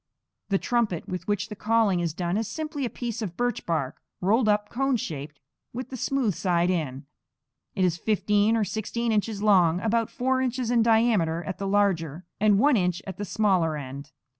The trumpet with which the calling is done is simply a piece of birch bark, rolled up cone shaped with the smooth side within. It is fifteen or sixteen inches long, about four inches in diameter at the larger, and one inch at the smaller end.